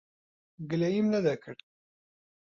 گلەییم نەدەکرد.